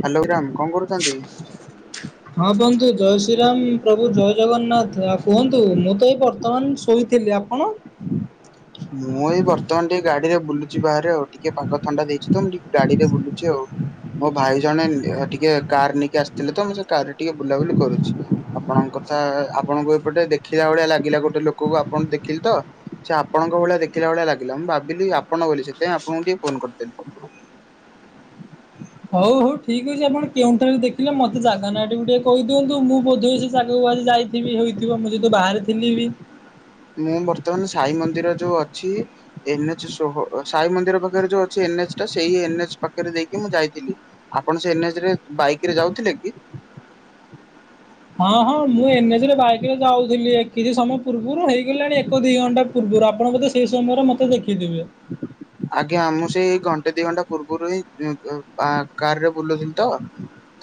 Hello Ram କଣ କରୁଛନ୍ତି? ହଁ ବନ୍ଧୁ ଜୟ ଶ୍ରୀରାମ ପ୍ରଭୁ ଜୟ ଜଗନ୍ନାଥ କୁହନ୍ତୁ ମୁଁ ତ ଏଇ ବର୍ତ୍ତମାନ ଶୋଇଥିଲି। ଆପଣ? ମୁଁ ଏଇ ବର୍ତ୍ତମାନ ଟିକେ ଗାଡିରେ ବୁଲୁଚି ବାହାରେ ଆଉ ଟିକେ ପାଗ ଥଣ୍ଡା ଦେଇଚି ତ ମୁଁ ଟିକେ ଗାଡିରେ ବୁଲୁ [unintelligible] ମୋ ଭାଇ ଜଣେ ଟିକେ କାର ନେଇକି ଆସିଥିଲେ ତ ମୁଁ ସେ କାର ରେ ଟିକେ ବୁଲାବୁଲି କରୁଚି। ଆପଣଙ୍କ ତଥା ଆପଣଙ୍କୁ ଏପଟେ ଦେଖିଲା ଭଳିଆ ଲାଗିଲା ଗୋଟେ ଲୋକକୁ ଆପଣ ଦେଖିଲି ତ ସେ ଆପ ଆପଣଙ୍କ ଭଳିଆ ଦେଖିଲା ଭଳିଆ ଲାଗିଲା ମୁଁ ଭାବିଲି ଆପଣ ଗଲି ସେଥିପାଇଁ ଆପଣଙ୍କୁ ଟିକେ ଫୋନ କରିଦେଲି। ହଉ ହଉ ଠିକ୍ ଅଛି ଆପଣ କେଉଁଠାରେ ଦେଖିଲେ ମତେ ଆଗକୁ ଗଲି ଆଜି ଯାଇଥିବି ହେଇଥିବ ମୁଁ ଯେହେତୁ ବାହାରେ ଥିଲି ବି ମୁଁ ବର୍ତ୍ତମାନ ସାଇ ମ ମନ୍ଦିର ଯୋଉ ଅଛି ଏନ୍ ଏଚ ଷୋହଳ ସାଇ ମନ୍ଦିର ପାଖରେ ଯୋଉ ଅଛି ଏନ୍ ଏଚ୍ ଟା ସେଇ ଏନ୍ଏଚ୍ ପାଖରେ ଦେଇକି ମୁଁ ଯାଇଥିଲି। ଆପଣ ସେ ଏନ୍ ଏଚ୍ ରେ ବାଇକ ରେ ଯାଉଥିଲେ କି? ହଁ ହଁ ମୁଁ ଏନ୍ ଏଚ୍ ରେ ବାଇକରେ ଯାଉଥିଲି କିଛି ସମୟ ପୂର୍ବରୁ ହେଇଗଲାଣି ଏକ ଦିଇ ଘଣ୍ଟା ପୂର୍ବ ଆପଣ ବଧେ ସେଇ ସମୟରେ ମତେ ଦେଖିଥିବେ। ଆଜ୍ଞା ମୁଁ ସେଇ ଘଣ୍ଟେ ଦି ଘଣ୍ଟା ପୂର୍ବରୁ ହିଁ [unintelligible] କାରରେ ବୁଲୁଥିଲି ତ।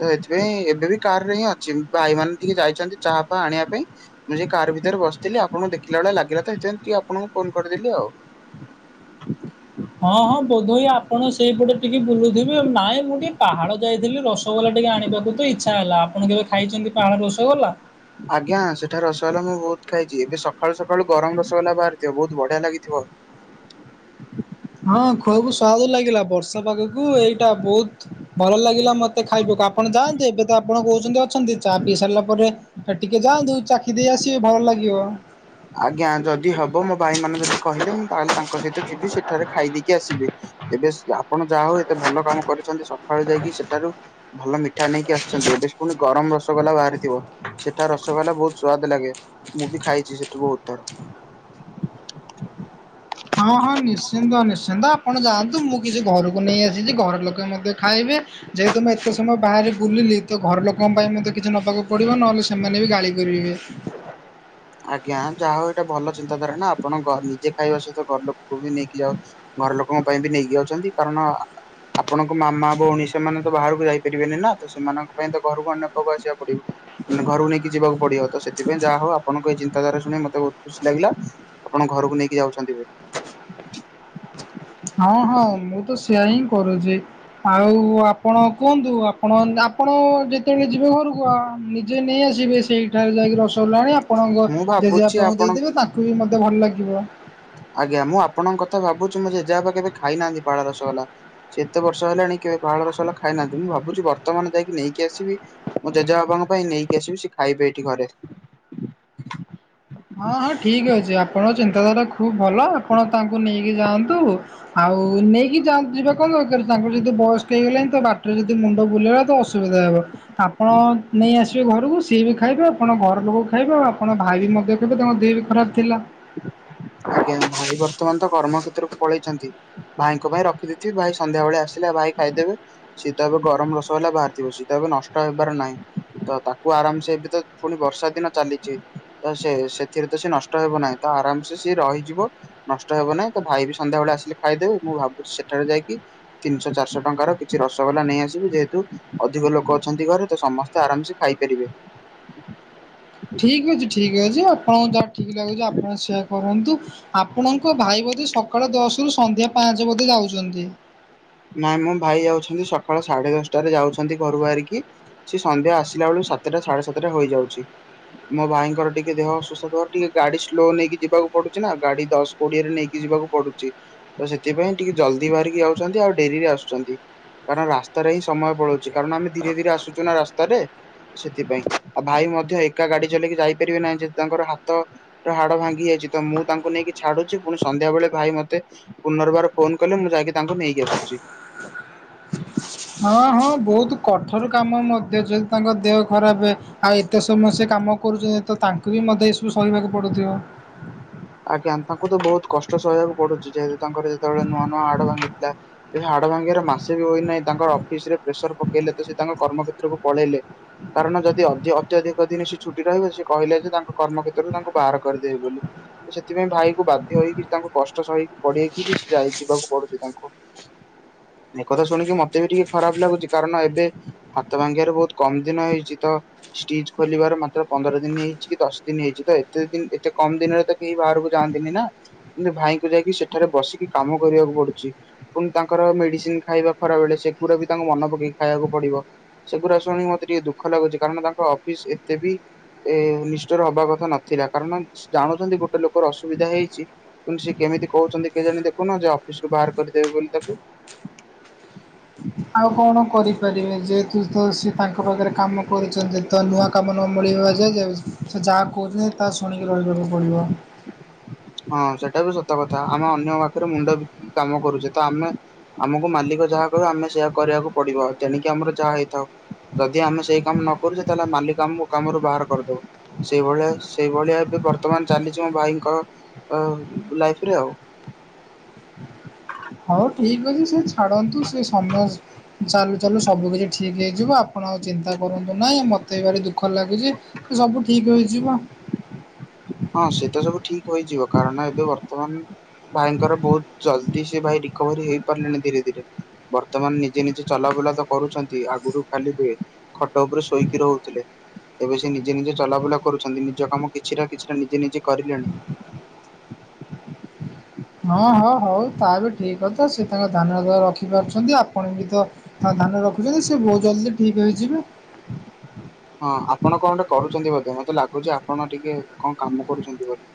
ତ ଏଥିପାଇଁ ଏବେ ବି କାର ରେ ହିଁ ଅଛି ଭାଇ ମାନ ଟିକେ ଯାଇଚନ୍ତି ଚାହା ଫହା ଆଣିବା ପାଇଁ ମୁଁ ସେ କାର ଭି ସେଥିରେ ବସିଥିଲି ଆପଣଙ୍କୁ ଦେଖିଲା ଭଳିଆ ଲାଗିଲା ତ ସେଥିାଇଁ ଟିକଏ ଆପଣଙ୍କୁ ଫୋନ କରିଦେଲି ଆଉ। ହଁ ହଁ ବୋଧ ଏଇ ଆପଣ ସେଇପଟେ ଟିକେ ବୁଲୁଥିବେ ନାଇଁ ମୁଁ ଟିକେ ପାହାର ଯାଇଥିଲି ରସଗୋଲା ଟିକେ ଆଣିବାକୁ ତ ଇଚ୍ଛା ହେଲା। ଆପଣ କେବେ ଖାଇଚନ୍ତି ପାହାଡ ରସଗୋଲା? ଆଜ୍ଞା ସେଠାରେ ରସଗୋଲା ମୁଁ ବୋହୁତ ଖାଇଚି ଏବେ ସକାଳୁ ସକାଳୁ ଗରମ ରସଗୋଲା ବାହାରିଥିବ ବୋହୁତ ବଢିଆ ଲାଗିଥିବ। ହୋ ହଁ ଖୁବ୍ ସୁଆଦ ଲାଗିଲା ବର୍ଷା ପାଗକୁ ଏଇଟା ବୋହୁତ ଭଲ ଲାଗିଲା ମତେ। କେତେ ଖାଇବୁ ଆପଣ ଯାଆନ୍ତି ଏବେ ତ ଆପଣ କୋହୁଚନ୍ତି ଅଛନ୍ତି ଚା ପିଇ ସାରିଲା ପରେ ହେ ଟିକେ ଯାଆନ୍ତୁ ଚାଖି ଦେଇ ଆସିବେ ଭଲ ଲାଗିବ। ଆଜ୍ଞା ଯଦି ହବ ମୋ ଭାଇ ମାନେ ଯଦି କହିଲେ ମୁଁ ତାହେଲେ ତାଙ୍କ ସହିତ ଯିବି ସେ ସେଠାରେ ଖାଇ ଦେଇକି ଆସିବି ଏବେ ଆପଣ ଯାହା ହୋଉ ଏତେ ଭଲ କାମ କରିଚନ୍ତି ସକାଳୁ ଯାଇକି ସେଠାରୁ ଭଲ ମି ଠା ନେଇକି ଆସିଚନ୍ତି ଏବେ ପୁଣି ଗରମ ବ ରସଗୋଲା ବାହାରିଥିବ ସେଠା ରସଗୋଲା ବୋହୁତ ସୁଆଦ ଲାଗେ ମୁଁ ବି ଖାଇଚି ସେଠି। ବୋହୁତ ଥର ହଁ ହଁ ନିଶ୍ଚିନ୍ତ ନିଶ୍ଚିନ୍ତ ଆପଣ ଯାଆନ୍ତୁ ମୁଁ କିଛି ଘରକୁ ନେଇ ଆସିଚି ଘର ଲୋକେ ମଧ୍ୟ ଖାଇବେ ଯେହେତୁ ମୁଁ ଏତେ ସମୟ ବାହାରେ ବୁଲିଲୁ ତ ଘର ଲୋକଙ୍କ ପାଇଁ ମତେ କିଛି ନବାକୁ ପଡିବ ନହେଲେ ସେମାନେ ବି ଗାଳି କରିବେ। ଆଜ୍ଞା ଯାହା ହୋଉ ଏଇଟା ଭଲ ଚିନ୍ତାଧାରା ନା ଆପଣ ନିଜେ ଖାଇବା ସହିତ ଘର ଲୋକଙ୍କୁ ବି ନେଇକି ଯାଉ ଘର ଲୋକଙ୍କ ପାଇଁ ବି ନେଇକି ଯାଉଛନ୍ତି, କାରଣ- ଆପଣଙ୍କ ମାମା, ଭଉଣୀ ସେମାନେ ତ ବାହାରକୁ ଯାଇପାରିବେନି ନା, ତ ସେମାନଙ୍କ ପାଇଁ ତ ଘରକୁ [inaudible] ଆସିବାକୁ ପଡିବ। ଘରକୁ ନେଇକି ଯିବାକୁ ପଡିବ, ତ ସେଥିପାଇଁ ଯାହା ହଉ ଆପଣଙ୍କ ଏଇ ଚିନ୍ତାଧାରା ଶୁଣି ମତେ ବହୁତ ଖୁସି ଲାଗିଲା। ଆପଣ ଘରକୁ ନେଇକି ଯାଉଛନ୍ତି ବୋଲି। ହଁ ହଁ ମୁଁ ତ ସେଇଆ ହିଁ କରୁଛି । ଆଉ ଓ ଆପଣ କୁହନ୍ତୁ, ଆପଣ, ଆପଣ ଯେତେବେଳେ ଯିବେ ଘରକୁ ଆ ନିଜେ ନେଇ ଆସି [unintelligible] ସେଇଠାରେ ଯାଇକି ରସଗଲା ଆଣି ଆପଣଙ୍କ ମୁଁ ଭାବୁଛି ଜେଜେବାପାଙ୍କୁ ଆପଣ ଦେଇଦେବେ ତାଙ୍କୁ ବି ମୋତେ ଭଲ ଲାଗ [unintelligible] ଆଜ୍ଞା ମୁଁ ଆପଣଙ୍କ କଥା ମୋ ଭାବୁଛି ଜେଜେବାପା କେବେ ଖାଇନାହାନ୍ତି ପାହାଳ ରସଗୋଲା। ସେ ଏତେ ବର୍ଷ ହେଲାଣି କେବେ ପାହାଳ ରସଗୋଲା ଖାଇନାହାନ୍ତି। ମୁଁ ଭାବୁଛି ବର୍ତ୍ତମାନ ଯାଇକି ନେଇକି ଆସିବି। ମୋ ଜେଜେବାପାଙ୍କ ପାଇଁ ନେଇକି ଆସିବି। ସେ ଖାଇବେ ଏଠି ଘରେ। ହଁ ହଁ ଠିକ ଅଛି। ଆପଣଙ୍କ ଚିନ୍ତାଧାରା ଖୁବ ଭଲ, ଆପଣ ତାଙ୍କୁ ନେଇକି ଯାଆନ୍ତୁ। ଆଉ ନେଇକି ଯିବା କଣ ଦରକାର? ତାଙ୍କର ଯଦି ବୟସ ହେଇଗଲାଣି ତ ବାଟରେ ଯଦି ଯଦି ମୁଣ୍ଡ ବୁଲେଇଲା ତ ଅସୁବିଧା ହେବ। ଆପଣ ନେଇ ଆସିବେ ଘରକୁ, ସିଏ ବି ଖାଇବେ ଆପଣ ଘର ଲୋକ ଖାଇବେ, ଆପଣ ଭାଇ ବି ମଧ୍ୟ ଖାଇବେ, ତାଙ୍କ ଦେହ ବି ଖରାପ ଥିଲା। ଆଜ୍ଞା, ଭାଇ ବର୍ତ୍ତମାନ ତ କର୍ମକ୍ଷେତ୍ରକୁ ପଳେଇଛନ୍ତି। ଭାଇଙ୍କ ପାଇଁ ରଖିଦେଇଥିବି। ଭାଇ ସନ୍ଧ୍ୟାବେଳେ ଆସିଲା ଭାଇ ଖାଇଦେବେ। ସିଏ ତ ଏବେ ଗରମ ରସଗୋଲା ବାହାରିଥିବ। [unintelligible] ନଷ୍ଟ ହେଇବାର ନାହିଁ। ତ ତାକୁ ଆରାମସେ ଏବେ ତ ପୁଣି ବର୍ଷା ଦିନ ଚାଲିଛି। ତ ସେ ସେଥିରେ ତ ସେ ନଷ୍ଟ ହେବ ନାହିଁ। ତ ଆରାମ ସିଏ ରହିଯିବ ନଷ୍ଟ ହେବ ନାହିଁ। ତ ଭାଇ ବି ସନ୍ଧ୍ୟାବେଳେ ଆସିଲେ ଖାଇଦେବେ। ମୁଁ ଭାବୁଛି ସେଠାରେ ଯାଇକି ତିନିଶହ ଚାରିଶହ ଟଙ୍କାର କିଛି ରସଗୋଲା ନେଇଆସିବି। ଯେହେତୁ ଅଧିକ ଲୋକ ଅଛନ୍ତି ଘରେ। ତ ସମସ୍ତେ ଆରାମସେ ଖାଇବେ । [unintelligible] ଠିକ ଅଛି ଠିକ ଅଛି, ଆପଣଙ୍କୁ ଯାହା ଠିକ ଲାଗୁଛି ଆପଣ ସେୟା କରନ୍ତୁ। [unintelligible] ଆପଣଙ୍କ ଭାଇ ବୋଧେ ସକାଳ ଦଶରୁ ସନ୍ଧ୍ୟା ପାଞ୍ଚ ବୋଧେ ଯାଉଛନ୍ତି। ନାଇଁ ମୋ ଭାଇ ଯାଉଛନ୍ତି ସକାଳ ସାଢେ ଦଶଟାରେ ଯାଉଛନ୍ତି ଘରୁ ବାହାରିକି। ସେ ସନ୍ଧ୍ୟା ଆସିଲା ବେଳୁ ସାତଟା ସାଢେ ସାତଟା ହୋଇଯାଉଛି। ମୋ ଭାଇଙ୍କର ଟିକେ ଦେହ ଅସୁସ୍ଥଥବା ଟିକେ ଗାଡି ସ୍ଲୋ ନେଇକି ଯିବାକୁ ପଡୁଛି ନା, ଗାଡି ଦଶ କୋଡିଏରେ ନେଇକି ଯିବାକୁ ପଡୁଛି। ତ ସେଥିପାଇଁ ଟିକେ ଜଲଦି ବାହାରିକି ଯାଉଛନ୍ତି, ଆଉ ଡେରିରେ ଆସୁଛନ୍ତି। କାରଣ ରାସ୍ତାରେ ହିଁ ସମୟ ପଳଉଛି। କାରଣ ଆମେ ଧୀରେ ଧୀରେ ଆସୁଛୁ ନା ରାସ୍ତାରେ। ସେଥିପାଇଁ, ଆଉ ଭାଇ ମଧ୍ୟ ଏକା ଗାଡି ଚଲେଇକି ଯାଇପାରିବେ ନାହିଁ ଯଦି ତାଙ୍କର ହାତର ହାଡ ଭାଙ୍ଗି ଯାଇ ମୁଁ ତାଙ୍କୁ ନେଇକି ଛାଡୁଛି, ପୁଣି ସନ୍ଧ୍ୟାବେଳେ ଭାଇ ମତେ ପୁନର୍ବାର ଫୋନ କଲେ ମୁଁ ଯାଇକି ତାଙ୍କୁ ନେଇକି ଆସୁ [unintelligible] ହଁ ହଁ ବହୁତ କଠୋର କାମ ମତେ, ଯଦି ତାଙ୍କ ଦେହ ଖରାପ, ଆଉ ଏତେ ସମୟ ସେ କାମ କରୁଛନ୍ତି ତ ତାଙ୍କୁ ବି ମତେ ଏସବୁ ସହିବାକୁ ପଡୁଥିବ। ଆଜ୍ଞା, ତାଙ୍କୁ ତ ବହୁତ କଷ୍ଟ ସହିବାକୁ ପଡୁଛି ଯେହେତୁ ତାଙ୍କର ଯେତେବେଳେ ନୂଆ ନୂଆ ହାଡ ଭାଙ୍ଗିଥିଲା। ସେ ହାଡ ଭାଙ୍ଗି ମାସେ ବି ହୋଇନାହିଁ ତାଙ୍କର ଅଫିସରେ ପ୍ରେସର ପକେଇଲେ, ତ ସେ ତାଙ୍କ କର୍ମକ୍ଷେତ୍ରକୁ ପଳେଇଲେ। କାରଣ, ଯଦି ଅ ଯିଏ ଅତ୍ୟଧିକ ଦିନ ସେ ଛୁଟି ରହିବ ସେ କହିଲେ ଯେ, ତାଙ୍କ କର୍ମକ୍ଷେତ୍ରରୁ ତାଙ୍କୁ ବାହାର କରିଦେବେ ବୋଲି। ସେଥିପାଇଁ ଭାଇକୁ ବାଧ୍ୟହେଇକି ତାଙ୍କୁ କଷ୍ଟ ସହିକି ପଡେଇକି ବି, ସେ ଯାଇ ଯିବାକୁ ପଡୁଛି ତାଙ୍କୁ। ଏ କଥା ଶୁଣିକି ମତେ ବି ଟିକେ ଖରାପ ଲାଗୁଛି। କାରଣ ଏବେ ହାତ ଭାଙ୍ଗିବାରେ ବହୁତ କମ ଦିନ ହେଇଛି ତ ଷ୍ଟିଜ୍ ଖୋଲିବାର ମାତ୍ର ପନ୍ଦରଦିନ ହେଇଛି କି ଦଶଦିନ ହେଇଛି। ତ ଏତେ ଦିନ ଏତେ କମ ଦିନରେ ତ କେହି ବାହାରକୁ ଯାଆନ୍ତିନି ନା। କିନ୍ତୁ ଭାଇକୁ ଯାଇକି ସେଠାରେ ବସିକି କାମ କରିବାକୁ ପଡୁଛି ପୁଣି ତାଙ୍କର ମେଡିସିନ ଖାଇବା ଖରାବେଳେ ସେଗୁରା ତାଙ୍କୁ ମନ ପକେଇ ଖାଇବାକୁ ପଡିବ। ସେଗୁରା ଶୁଣି ମତେ ଟିକେ ଦୁଃଖ ଲା ହୋଉଚି କାରଣ ତାଙ୍କ ଅଫିସ ଏତେ ବି ଏ ନିଷ୍ଟୁର ହବା କଥା ନଥିଲା। କାରଣ ଜାଣୁଛନ୍ତି ଗୋ ଗୋଟେ ଲୋକର ଅସୁବିଧା ହେଇଛି, କିନ୍ତୁ ସେ କେମିତି କହୁଛନ୍ତି କେଜାଣି ଦେଖୁନ, ଯେ ଅଫିସରୁ ବାହାର କରିଦେବେ ବୋଲି ତାକୁ। [unintelligible] କଣ କରିପାରିବେ ଯେହେତୁ ତ ସିଏ ତାଙ୍କ ପାଖରେ କାମ କରୁଛନ୍ତି ତ ନୂଆ କାମ ନ ମିଳିବାଯାଏ [unintelligible] ସେ ଯାହା କହୁଛନ୍ତି, ତାହା ଶୁଣିକି ରହିବାକୁ ପଡ଼ିବ। ହଁ ସେଟା ବି ସତ କଥା ଆମେ ଅନ୍ୟ ପାଖରେ ମୁଣ୍ଡ ବିକିକି କାମ କରୁଛେ। ତ ଆମେ ଆମକୁ ମାଲିକ ଯାହା କହିବ ଆମେ ସେୟଆ କରିବାକୁ ପଡିବ ।ତେଣିକି ଆମର ଯାହା ହେଇଥାଉ। ଯଦି ଆମେ ସେଇ କାମ ନ କରୁଛେ, ତାହେଲେ ମାଲିକ ଆମକୁ କାମରୁ ବାହାର କରିଦବ। ସେଇଭଳିଆ, ସେଇଭଳିଆ ଏବେ ବର୍ତ୍ତମାନ ଚାଲିଚି ମୋ ଭାଇଙ୍କ-ଅ ଲାଇଫରେ ଆଉ। [inaudible] ହଉ ଠିକ୍ ଅଛି। ସିଏ ଛାଡ଼ନ୍ତୁ, ସିଏ ସମୟ ଚାଲୁ ଚାଲୁ ସବୁ କିଛି ଠିକ୍ ହେଇଯିବ। ଆପ ପଣ ଆଉ ଚିନ୍ତା କରନ୍ତୁନାହିଁ। ମୋତେ ବି ଭାରି ଦୁଃଖ ଲାଗୁଚି ସବୁ ଠିକ୍ ହୋଇଯିବ। ହଁ ସେତ ସବୁ ଠିକ ହୋଇଯିବ, କାରଣ ଏବେ ବର୍ତ୍ତମାନ ଭାଇଙ୍କର ବହୁତ ଜଲଦି ସେ ଭାଇ ରିକଭରି ହେଇ ପାରିଲେଣି ଧୀରେ ଧୀରେ, ବର୍ତ୍ତମାନ ନିଜେ ନିଜେ ଚଲା ବୁ ବୁଲା ତ କରୁଛନ୍ତି। ଆଗରୁ ଖାଲି ବେ ଖଟ ଉପରେ ଶୋଇକି ରହୁଥିଲେ। ଏବେ ସେ ନିଜେ ନିଜେ ଚଲାବୁଲା କରୁଛନ୍ତି ନିଜ କାମ କିଛି ଟା କିଛି ନିଜେ ନିଜେ କରିଲେଣି। ହଁ ହଁ ହଉ ତା ବି ଠିକ୍ କଥା। ସେ ତାଙ୍କ ଧ୍ୟାନ ଦୁଆ ରଖିପାରୁଛନ୍ତି ଆପଣ ବି ତ ହଁ ଧ୍ୟାନ ରଖୁଛନ୍ତି ସେ ବହୁତ ଜଲଦି ଠିକ ହୋଇଯିବେ ହଁ ଆପଣ କଣ ଗୋଟେ କରୁଚନ୍ତି ବୋଧେ, ମତେ ଲାଗୁଚି ଆପଣ ଟିକେ କଣ କାମ କରୁଚନ୍ତି ବୋଲି?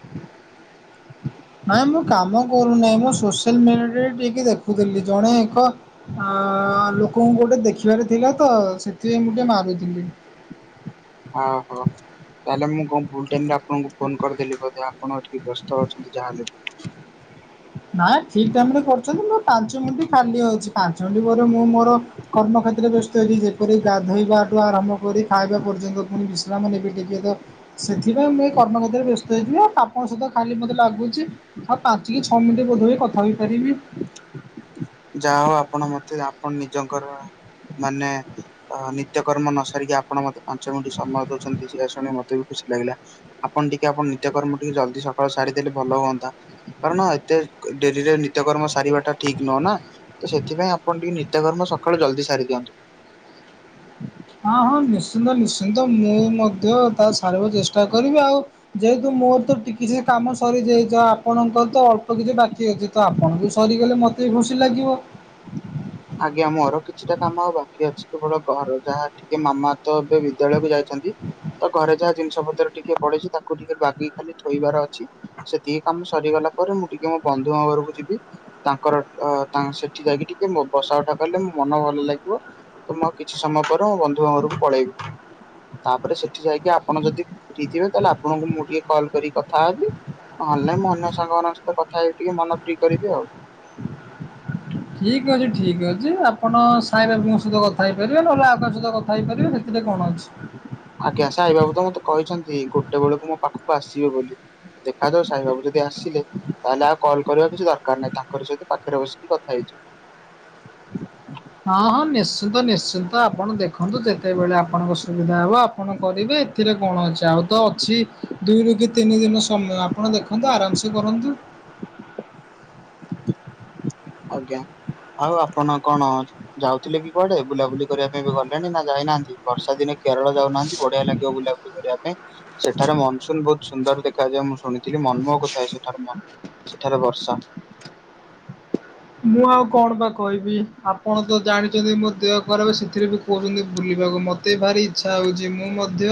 ନାଇଁ ମୁଁ କାମ କରୁନାହିଁ। ମୁଁ ସୋସିଆଲ ମିଡିଆରେ ଟିକେ ଦେଖୁଥିଲି। ଜଣେ ଏକ ଆ ଅ ଲୋକଙ୍କୁ ଗୋଟେ ଦେଖିବାର ଥିଲା ତ, ସେଥିପାଇଁ ମୁଁ ଟିକେ ମାରୁଥିଲି। ଅହୋ। ତାହେଲେ ମୁଁ କଣ ଭୁଲ ଟାଇମରେ ଆପଣଙ୍କୁ ଫୋନ କରିଦେଲି ବୋଧେ ଆପଣ ଟିକେ ବ୍ୟସ୍ତ ଅଛନ୍ତି। ଯାହାହେଲେ ଆଁ ଠିକ ଟାଇମ୍ ରେ କର କରୁଚନ୍ତି ମୋ ପାଞ୍ଚ ମିଣ୍ଟି ଖାଲି ହଉଛି, ପାଞ୍ଚ ମିଣ୍ଟି ପରେ ମୁଁ ମୋର କର୍ମକ୍ଷେତ୍ରରେ ବ୍ୟସ୍ତ ହେଇଯିବି। ଯେପରି ଗାଧୋଇବାଠୁ ଆରମ୍ଭ କରି ଖାଇବା ପର୍ଯ୍ୟନ୍ତ ପୁଣି ବିଶ୍ରାମ ନେବି ଟିକେ ତ, ସେଥିପାଇଁ ମୁଁ ଏ କର୍ମ କ୍ଷେତ୍ରରେ ବ୍ୟସ୍ତ ହେଇ [unintelligible] ହଁ ସେତ କାଲି ମୋତେ ଲାଗୁଛି, ଆଉ ପାଞ୍ଚି କି ଛଅ ମିନିଟ୍ ବୋଧହୁଏ କଥା ହୋଇପାରିବି। ଯାହା ହଉ ଆପଣ ମତେ ଆପଣ ନିଜଙ୍କର ମାନେ ଅ ନିତ୍ୟକର୍ମ ନ ସାରିକି ଆପଣ ମତେ ପାଞ୍ଚ ମିଣ୍ଟି ସମୟ ଦଉଚନ୍ତି ସେଇରା ଶୁଣି ମତେ ବି ଖୁସି ସି ଲାଗିଲା। ଆପଣ ଟିକେ ଆପଣଙ୍କ ନିତ୍ୟ କର୍ମ ଟିକେ ଜଲଦି ସକାଳୁ ସାରିଦେଲେ ଭଲ ହୁଅନ୍ତା। କାରଣ ଏତେ ଡେରିରେ ନିତ୍ୟକର୍ମ ସାରିବାଟ ଟା ଠିକ ନୁହଁ ନା। ତ ସେଥିପାଇଁ ଆପଣ ଟିକେ ନିତ୍ୟକର୍ମ ସକାଳୁ ଜଲଦି ସାରି ଦିଅନ୍ତୁ। ହଁ ହଁ ନିଶ୍ଚିନ୍ତ ନିଶ୍ଚିନ୍ତ। ମୁଁ ମଧ୍ୟ ତା ସାରିବାକୁ ଚେଷ୍ଟା କରିବି, ଆଉ ଯେହେତୁ ମୋର ତ ଟିକି ସେ କାମ ସରିଯାଇଚି, ତ ଆପଣଙ୍କର ତ ଅଳ୍ପ କିଛି ବାକି ଅଛି ତ ଆପଣଙ୍କୁ ସରିଗଲେ ମତେ ବି ଖୁସି ଲାଗିବ। ଆଜ୍ଞା ମୋର କି ଛିଟା କାମ ଆଉ ବାକି ଅଛି। କେବଳ ଘର ଯାହା ଟିକେ ମାମା ତ ଏବେ ବିଦ୍ୟାଳୟକୁ ଯାଇଚନ୍ତି, ତ ଘରେ ଯାହା ଜିନିଷ ପତ୍ର ଟିକେ ପଡିଛି ତାକୁ ଟିକେ ବାଗେଇ ଖାଲି ଥୋଇବାର ଅଛି। ସେତିକି କାମ ସରିଗଲା ପରେ ମୁଁ ଟି ଟିକେ ମୋ ବନ୍ଧୁଙ୍କ ଘରକୁ ଯିବି। ତାଙ୍କର ଅ ତାଙ୍କ ସେଠି ଯାଇକି ଟିକେ ମୋ ବସା ଉଠା କଲେ ମୋ ମନ ଭଲ ଲାଗିବ। ତ ମୁଁ ଆଉ କିଛି ସମୟ ପରେ ମୋ ବନ୍ଧୁଙ୍କ ଘରକୁ ପଳେଇବି। ତାପରେ ସେଠି ଯାଇକି ଆପଣ ଯଦି ଫ୍ରି ଥିବେ, ତାହେଲେ ଆପଣଙ୍କୁ ମୁଁ ଟିକେ କଲ୍ କରିକି କଥା ହେବି ନହେଲେ ନାଇଁ ମୁଁ ଅନ୍ୟ ସାଙ୍ଗମାନଙ୍କ ସହିତ କଥା ହେଇକି ଟିକେ ମନ ଫ୍ରି କରିବି ଆଉ। ଠିକ ଅଛି, ଠିକ ଅଛି। ଆପଣ ସାଇ ବାବୁଙ୍କ ସହିତ କଥା ହେଇ ଇଏ କରିବେ, ନହେଲେ ଆଉ ସହିତ କଥା ହେଇପାରିବେ, ସେଥିରେ କଣ ଅଛି। ଆଜ୍ଞା। ସାଇ ବାବୁ ତ ମତେ କହିଛନ୍ତି ଗୋଟେ ବେଳକୁ ମୋ ପାଖକୁ ଆସିବେ ବୋଲି। ଦେଖାଯାଉ ସାଇ ବାବୁ ଯ ଦି ଆସିଲେ ତାହେଲେ ଆଉ କଲ୍ କରିବା କିଛି ଦରକାର ନାହିଁ। ତାଙ୍କରି ସହିତ ପାଖରେ ବସିକି କଥା ହେଇଯିବି। ହଁ ହଁ ନିଶ୍ଚିନ୍ତ ନିଶ୍ଚିନ୍ତ। ଆପଣ ଦେଖନ୍ତୁ ଯେତେବେଳେ ଆପଣଙ୍କ ସୁବିଧା ହବ ଆପଣ କରିବେ ଏଥିରେ କଣ ଅଛି? ଆଉ ତ ଅଛି ଦୁଇରୁ କି ତିନି ଦିନ ସମୟ ଆପଣ ଦେଖନ୍ତୁ ଆରାମସେ କରନ୍ତୁ। ଆଜ୍ଞା। ଆଉ ଆପଣ କଣ ଯାଉଥିଲେ କି କୁଆଡେ? ବୁଲାବୁଲି କରିବା ପାଇଁ ବି ଗଲେଣି ନା ଯାଇନାହାଁନ୍ତି? ବର୍ଷା ଦିନେ କେରଳ ଯାଉନାହାନ୍ତି ବଢିଆ ଲାଗିବ ବୁଲାବୁଲି କରିବା ପାଇଁ ସେଠାରେ ମନସୁନ ବହୁତ୍ ସୁନ୍ଦର ଦେଖାଯାଏ ମୁଁ ଶୁଣିଥିଲି । ମନ ମହୋକଉ ଥାଏ ସେଠାରେ ମ ସେଠାରେ ବର୍ଷା [inaudible] ମୁଁ ଆଉ କଣ ବା କହିବି ଆପଣ ତ ଜାଣିଚନ୍ତି ମୋ ଦେହ ଖରାପ ସେଥିରେ ବି କହୁଛନ୍ତି ବୁଲିବାକୁ ମତେ ଭାରି ଇଛା ହଉଚି ମୁଁ ମଧ୍ୟ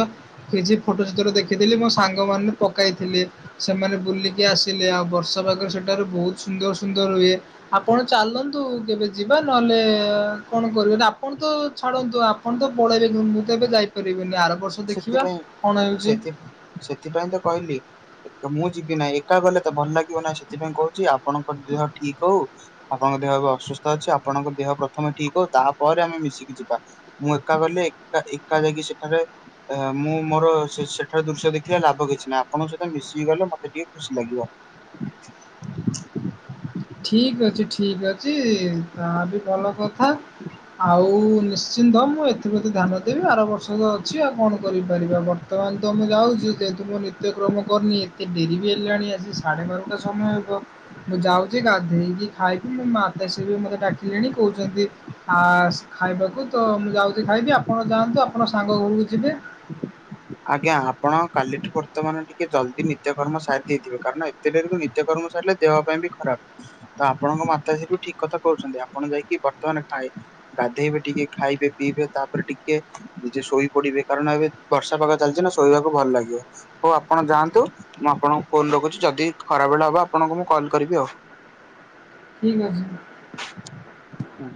କିଛି ଫୋଟୋସେତଳେ ଦେଖିଥିଲି ମୋ ସାଙ୍ଗମାନେ ପକାଇଥିଲେ ସେମାନେ ବୁଲିକି ଆସିଲେ ଆଉ ବର୍ଷା ପାଗରେ ସେଠି ଠାରୁ ବହୁତ୍ ସୁନ୍ଦର ସୁନ୍ଦର ରୁହେ। ଆପଣ ଚାଲନ୍ତୁ କେବେ ଯିବା ନହେଲେ କଣ କରିବେ ଆପଣ ତ ଛାଡ଼ନ୍ତୁ ଆପଣ ତ ପଳେଇବି ମୁଁ କେବେ ଯାଇପାରିବିନି ଆର ବର୍ଷ ଦେଖିବା ସେଥିପାଇଁ କଣ ହେଉଛି। ସେଥି ସେଥିପାଇଁ ତ କହିଲି ମୁଁ ଯିବି ନାହିଁ ଏକା ଗଲେ ତ ଭଲ ଲାଗିବ ନାହିଁ ସେଥିପାଇଁ କହୁଛି ଆପଣଙ୍କ ଦେହ ଠିକ ହଉ ଆପଣଙ୍କ ଦେହ ଅସୁସ୍ଥ ଅଛି ଆପଣଙ୍କ ଦେହ ପ୍ରଥମେ ଠିକ ହଉ ତାପରେ ଆମେ ମିଶିକି ଯିବା ମୁଁ ଏକା ଗଲେ ଏକା ଏକା ଯାଇକି ସେଠାରେ ମୁଁ ମୋର ଶିଷ୍ୟ ସେଠାରୁ ଦୃଶ୍ୟ ଦେଖିଲ ଲାଭ କିଛି ନାହିଁ ଆପଣଙ୍କ ସହିତ ମିଶିକି ଗଲେ ମତେ ଟିକେ ଖୁସି ଲାଗିବ। [inaudible] ଠିକ ଅଛି ତା ବି ଭଲ କଥା ଆଉ ମି ନିଶ୍ଚିତ ମୁଁ ଏଥିପ୍ରତି ଧ୍ୟାନ ଦେବି ଆର ବର୍ଷ ଅଛି ଆଉ କଣ କରିପାରିବା ବର୍ତ୍ତମାନ ତ ମୁଁ ଯାଉଛୁ ଯେହେତୁ ମୁଁ ନିତ୍ୟକ୍ରମ କରିନି ଏତେ ଡେରି ବି ହେଲାଣି ଆସି ସାଢେ ବାରଟା ସମୟ ମୁଁ ଯାଉ ଯେ ଗାଧେଇକି ଖାଇକି ମୋ ମାତା ସେ ବି ମୋତେ ଡାକିଲେଣି କହୁଛନ୍ତି ଆ ଖାଇବାକୁ। ତ ମୁଁ ଯାଉଛି ଖାଇବି ଆପଣ ଯାଆନ୍ତୁ ଆପଣ ସାଙ୍ଗ ଘରକୁ ଯିବେ। ଆଜ୍ଞା ଆପଣ କାଲିଠୁ ବର୍ତ୍ତମାନ ଟିକେ ଜଲଦି ନିତ୍ୟ କର୍ମ ସାରି ଦେଇଥିବେ କାରଣ ଏତେ ଦେରକୁ ନିଜ କର୍ମ ସାରିଲେ ଦେହ ପାଇଁ ବି ଖରାପ ତ ଆପଣଙ୍କ ମାତା ଶ୍ରୀ ଠିକ କଥା କହୁଛନ୍ତି ଆପଣ ଯାଇକି ବର୍ତ୍ତମାନ ଠାଏ ଗାଧେଇବେ ଟିକେ ଖାଇବେ ପିଇବେ ତାପରେ ଟିକେ ନିଜେ ଶୋଇ ପଡିବେ କାରଣ ଏବେ ବର୍ଷା ପକା ଚାଲିଛି ନା ଶୋଇବାକୁ ଭଲ ଲାଗିବ ହଉ ଆପଣ ଯାଆନ୍ତୁ ମୁଁ ଆପଣଙ୍କୁ ଫୋନ୍ ରଖୁଛି ଯଦି ଖରା ବେଳ ହବ ଆପଣଙ୍କୁ ମୁଁ କଲ୍ କରିବି ଆଉ। ଠିକ ଅଛି। ଆଉ।